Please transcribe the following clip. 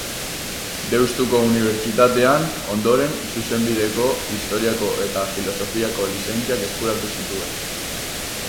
Deustuko Unibertsitatean, ondoren, Zuzenbideko, Historiako eta Filosofiako lizentziak eskuratu zituen.